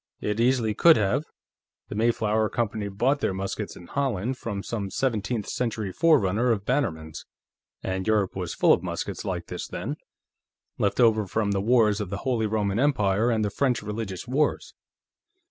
"It easily could have. The Mayflower Company bought their muskets in Holland, from some seventeenth century forerunner of Bannerman's, and Europe was full of muskets like this then, left over from the wars of the Holy Roman Empire and the French religious wars."